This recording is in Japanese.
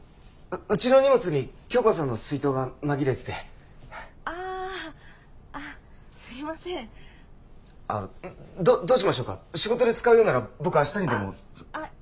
うちの荷物に杏花さんの水筒が紛れててああっあっすいませんあっどうしましょうか仕事で使うようなら僕明日にでもあっあっ